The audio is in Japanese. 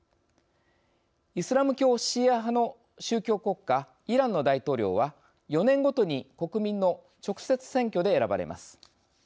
イスラム教シーア派の宗教国家イランの大統領は４年ごとに国民の直接選挙で選ばれます。